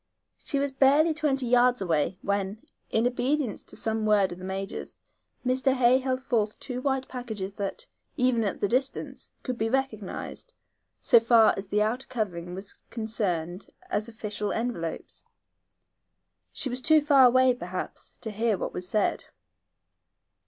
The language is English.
She was barely twenty yards away when, in obedience to some word of the major, Mr. Hay held forth two white packages that, even at the distance, could be recognized, so far as the outer covering was concerned, as official envelopes. She was too far away, perhaps, to hear what was said.